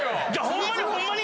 ホンマにホンマに！